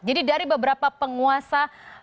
jadi dari beberapa penguasa